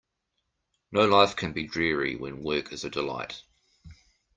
No life can be dreary when work is a delight.